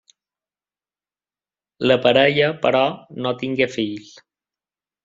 La parella, però, no tingué fills.